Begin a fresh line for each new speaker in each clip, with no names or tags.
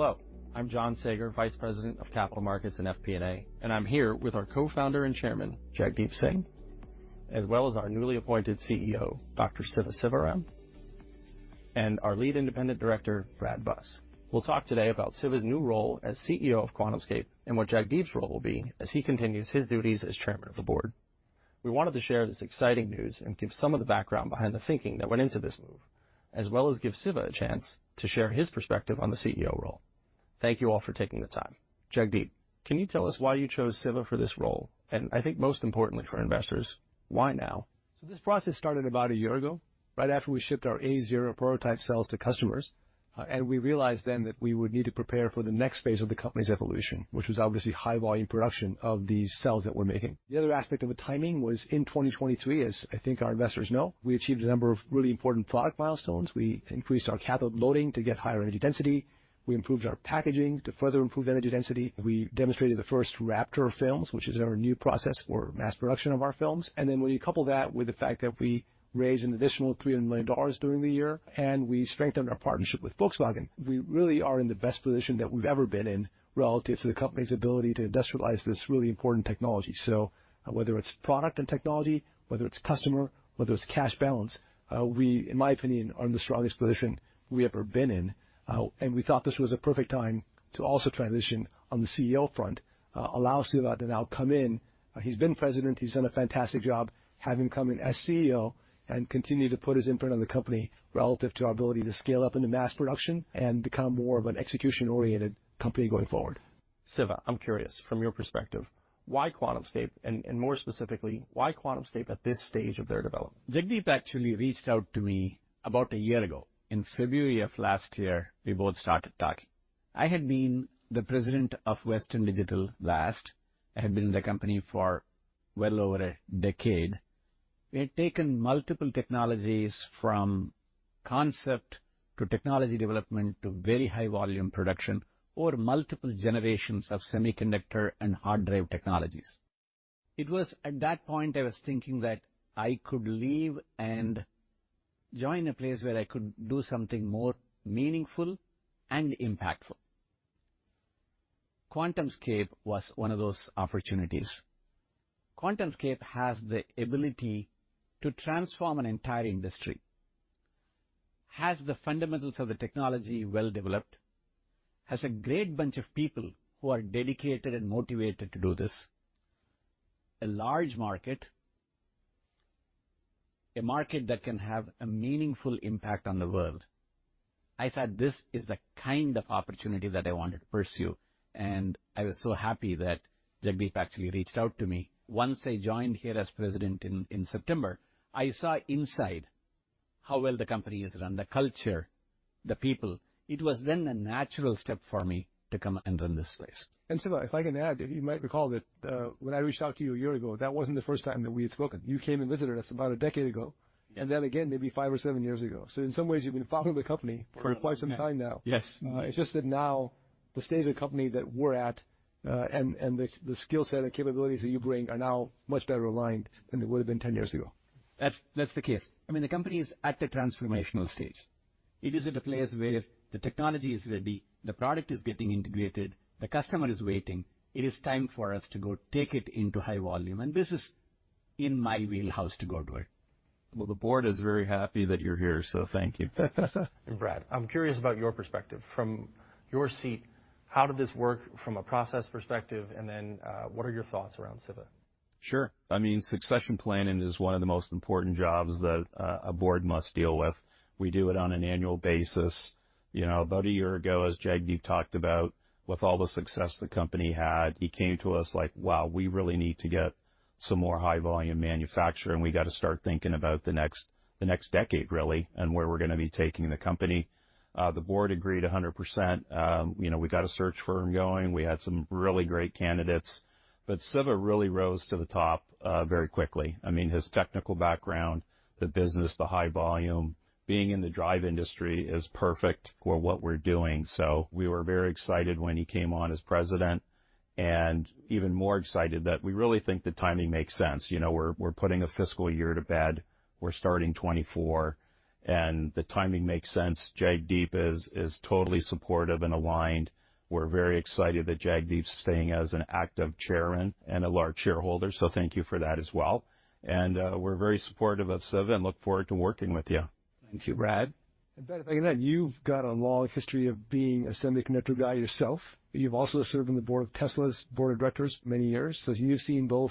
Hello, I'm John Saager, Vice President of Capital Markets and FP&A, and I'm here with our Co-Founder and Chairman, Jagdeep Singh, as well as our newly appointed CEO, Dr. Siva Sivaram, and our Lead Independent Director, Brad Buss. We'll talk today about Siva's new role as CEO of QuantumScape and what Jagdeep's role will be as he continues his duties as Chairman of the Board. We wanted to share this exciting news and give some of the background behind the thinking that went into this move, as well as give Siva a chance to share his perspective on the CEO role. Thank you all for taking the time. Jagdeep, can you tell us why you chose Siva for this role, and I think most importantly for investors, why now?
So this process started about a year ago, right after we shipped our A0 prototype cells to customers, and we realized then that we would need to prepare for the next phase of the company's evolution, which was obviously high-volume production of these cells that we're making. The other aspect of the timing was in 2023, as I think our investors know. We achieved a number of really important product milestones. We increased our cathode loading to get higher energy density. We improved our packaging to further improve energy density. We demonstrated the first Raptor films, which is our new process for mass production of our films. And then when you couple that with the fact that we raised an additional $300 million during the year and we strengthened our partnership with Volkswagen, we really are in the best position that we've ever been in relative to the company's ability to industrialize this really important technology. So whether it's product and technology, whether it's customer, whether it's cash balance, we, in my opinion, are in the strongest position we've ever been in. And we thought this was a perfect time to also transition on the CEO front, allow Siva to now come in. He's been President. He's done a fantastic job having come in as CEO and continuing to put his imprint on the company relative to our ability to scale up into mass production and become more of an execution-oriented company going forward.
Siva, I'm curious, from your perspective, why QuantumScape, and more specifically, why QuantumScape at this stage of their development?
Jagdeep actually reached out to me about a year ago. In February of last year, we both started talking. I had been the President of Western Digital last. I had been in the company for well over a decade. We had taken multiple technologies from concept to technology development to very high-volume production or multiple generations of semiconductor and hard-drive technologies. It was at that point I was thinking that I could leave and join a place where I could do something more meaningful and impactful. QuantumScape was one of those opportunities. QuantumScape has the ability to transform an entire industry, has the fundamentals of the technology well developed, has a great bunch of people who are dedicated and motivated to do this, a large market, a market that can have a meaningful impact on the world. I thought this is the kind of opportunity that I wanted to pursue, and I was so happy that Jagdeep actually reached out to me. Once I joined here as President in September, I saw inside how well the company is run, the culture, the people. It was then a natural step for me to come and run this place.
Siva, if I can add, you might recall that when I reached out to you a year ago, that wasn't the first time that we had spoken. You came and visited us about a decade ago, and then again, maybe five or seven years ago. So in some ways, you've been following the company for quite some time now. It's just that now the stage of the company that we're at and the skill set and capabilities that you bring are now much better aligned than they would have been 10 years ago.
That's the case. I mean, the company is at the transformational stage. It is at a place where the technology is ready, the product is getting integrated, the customer is waiting. It is time for us to go take it into high volume. This is in my wheelhouse to go to it.
Well, the board is very happy that you're here, so thank you. And Brad, I'm curious about your perspective. From your seat, how did this work from a process perspective, and then what are your thoughts around Siva?
Sure. I mean, succession planning is one of the most important jobs that a board must deal with. We do it on an annual basis. About a year ago, as Jagdeep talked about, with all the success the company had, he came to us like, "Wow, we really need to get some more high-volume manufacturing. We got to start thinking about the next decade, really, and where we're going to be taking the company." The board agreed 100%. We got a search firm going. We had some really great candidates. But Siva really rose to the top very quickly. I mean, his technical background, the business, the high volume, being in the drive industry is perfect for what we're doing. So we were very excited when he came on as President and even more excited that we really think the timing makes sense. We're putting a fiscal year to bed. We're starting 2024. The timing makes sense. Jagdeep is totally supportive and aligned. We're very excited that Jagdeep's staying as an active Chairman and a large shareholder, so thank you for that as well. We're very supportive of Siva and look forward to working with you.
Thank you, Brad.
Brad, if I can add, you've got a long history of being a semiconductor guy yourself. You've also served on the board of Tesla's board of directors many years. You've seen both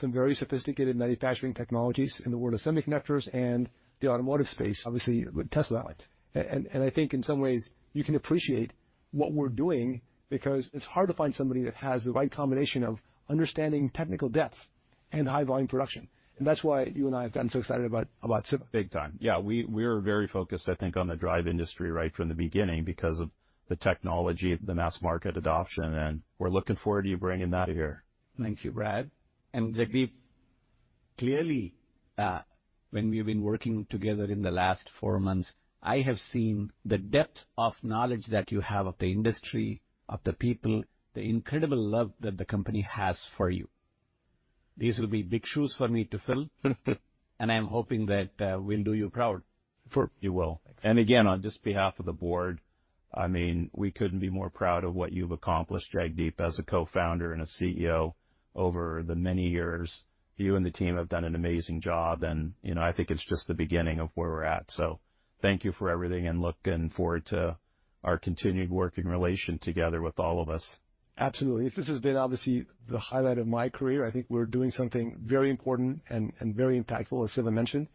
some very sophisticated manufacturing technologies in the world of semiconductors and the automotive space, obviously with Tesla. I think in some ways, you can appreciate what we're doing because it's hard to find somebody that has the right combination of understanding technical depth and high-volume production. That's why you and I have gotten so excited about Siva.
Big time. Yeah, we were very focused, I think, on the drive industry right from the beginning because of the technology, the mass market adoption. We're looking forward to you bringing that here.
Thank you, Brad. And Jagdeep, clearly, when we've been working together in the last four months, I have seen the depth of knowledge that you have of the industry, of the people, the incredible love that the company has for you. These will be big shoes for me to fill, and I'm hoping that we'll do you proud.
You will. And again, on just behalf of the board, I mean, we couldn't be more proud of what you've accomplished, Jagdeep, as a co-founder and a CEO over the many years. You and the team have done an amazing job, and I think it's just the beginning of where we're at. So thank you for everything, and looking forward to our continued working relation together with all of us.
Absolutely. This has been, obviously, the highlight of my career. I think we're doing something very important and very impactful, as Siva mentioned.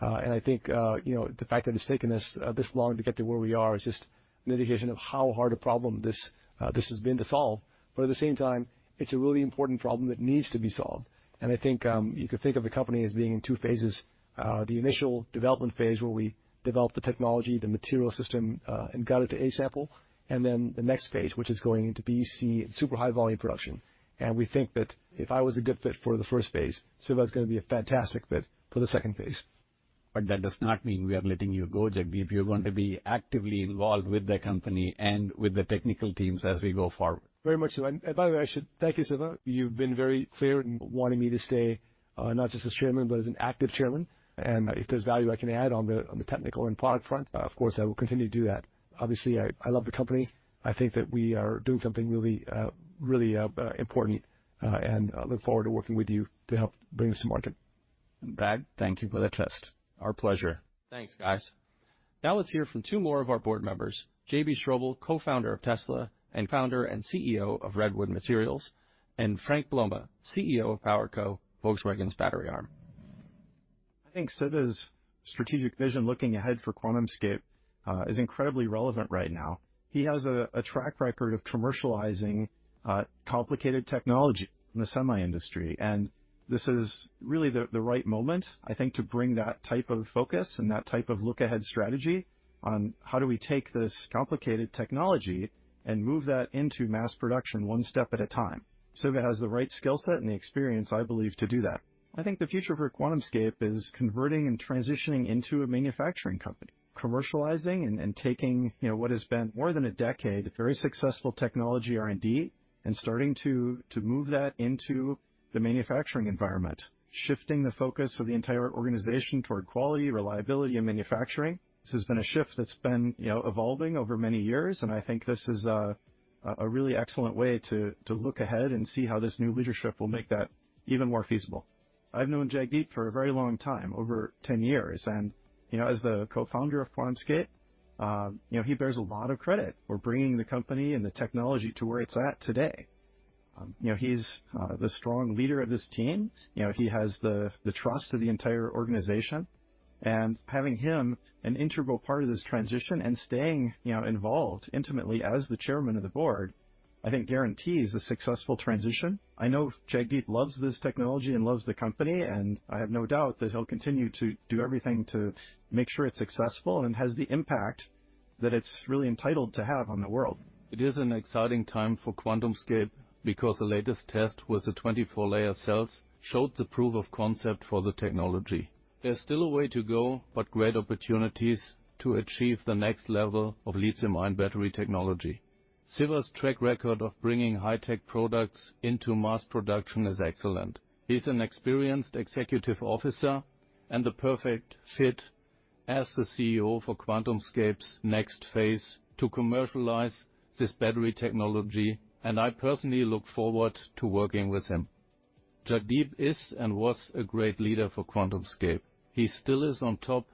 And I think the fact that it's taken us this long to get to where we are is just an indication of how hard a problem this has been to solve. But at the same time, it's a really important problem that needs to be solved. And I think you could think of the company as being in two phases: the initial development phase where we develop the technology, the material system, and got it to A-sample, and then the next phase, which is going into B, C, and super high-volume production. And we think that if I was a good fit for the first phase, Siva is going to be a fantastic fit for the second phase.
But that does not mean we are letting you go, Jagdeep. You're going to be actively involved with the company and with the technical teams as we go forward.
Very much so. And by the way, I should thank you, Siva. You've been very clear in wanting me to stay not just as Chairman, but as an active Chairman. And if there's value I can add on the technical and product front, of course, I will continue to do that. Obviously, I love the company. I think that we are doing something really, really important, and I look forward to working with you to help bring this to market.
Brad, thank you for the trust.
Our pleasure.
Thanks, guys. Now let's hear from two more of our board members: JB Straubel, Co-Founder of Tesla and Founder and CEO of Redwood Materials, and Frank Blome, CEO of PowerCo, Volkswagen's battery arm.
I think Siva's strategic vision looking ahead for QuantumScape is incredibly relevant right now. He has a track record of commercializing complicated technology in the semi industry. This is really the right moment, I think, to bring that type of focus and that type of look-ahead strategy on how do we take this complicated technology and move that into mass production one step at a time. Siva has the right skill set and the experience, I believe, to do that. I think the future for QuantumScape is converting and transitioning into a manufacturing company, commercializing and taking what has been more than a decade very successful technology R&D and starting to move that into the manufacturing environment, shifting the focus of the entire organization toward quality, reliability, and manufacturing. This has been a shift that's been evolving over many years, and I think this is a really excellent way to look ahead and see how this new leadership will make that even more feasible. I've known Jagdeep for a very long time, over 10 years. As the Co-Founder of QuantumScape, he bears a lot of credit for bringing the company and the technology to where it's at today. He's the strong leader of this team. He has the trust of the entire organization. Having him an integral part of this transition and staying involved intimately as the Chairman of the Board, I think, guarantees a successful transition. I know Jagdeep loves this technology and loves the company, and I have no doubt that he'll continue to do everything to make sure it's successful and has the impact that it's really entitled to have on the world.
It is an exciting time for QuantumScape because the latest test with the 24-layer cells showed the proof of concept for the technology. There's still a way to go, but great opportunities to achieve the next level of lithium-ion battery technology. Siva's track record of bringing high-tech products into mass production is excellent. He's an experienced executive officer and the perfect fit as the CEO for QuantumScape's next phase to commercialize this battery technology, and I personally look forward to working with him. Jagdeep is and was a great leader for QuantumScape. He still is on top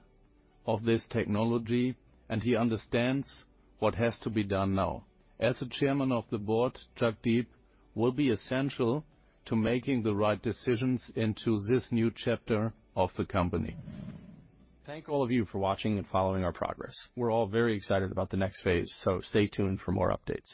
of this technology, and he understands what has to be done now. As the Chairman of the Board, Jagdeep will be essential to making the right decisions into this new chapter of the company.
Thank all of you for watching and following our progress. We're all very excited about the next phase, so stay tuned for more updates.